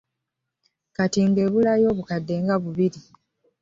Kati ng'ebulayo obukadde nga bubiri